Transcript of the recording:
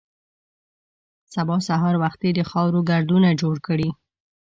سبا سهار وختي د خاورو ګردونه جوړ کړي.